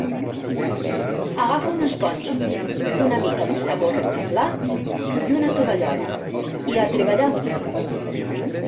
Agafa una esponja, una mica de sabó rentaplats i una tovallola, i a treballar!